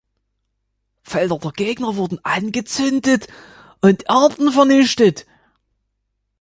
Felder der Gegner wurden angezündet und Ernten vernichtet.